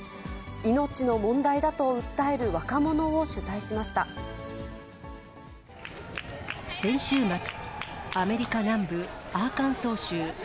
命の問題だと訴える若者を取材し先週末、アメリカ南部アーカンソー州。